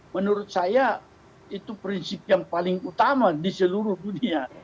menurut saya itu prinsip yang paling utama di seluruh dunia